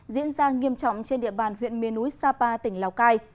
diễn ra nghiêm trọng trên địa bàn huyện miền núi sapa tỉnh lào cai